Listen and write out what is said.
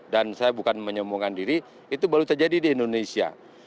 dan saya bukan menyembuhkan diri itu baru terjadi di indonesia